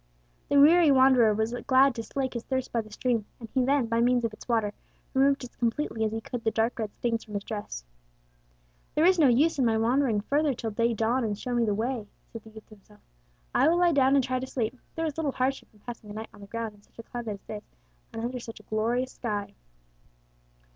The weary wanderer was glad to slake his thirst by the stream, and he then, by means of its water, removed as completely as he could the dark red stains from his dress. "There is no use in my wandering further till day dawn and show me the way," said the youth to himself. "I will lie down and try to sleep. There is little hardship in passing a night on the ground in such a climate as this, and under such a glorious sky."